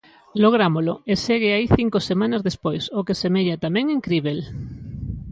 Lográmolo e segue aí cinco semanas despois, o que semella tamén incríbel.